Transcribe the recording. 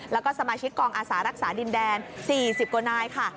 แล้วก็สมาชิกกองอาสารักษาดินแดน๔๐กว่านายค่ะ